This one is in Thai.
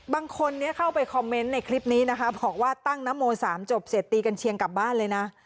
บางคนเข้าไปคอมเมนต์ในคลิปนี้นะคะบอกว่าตั้งนโม๓จบเสร็จตีกันเชียงกลับบ้านเลยนะ